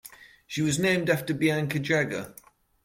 She was named after Bianca Jagger.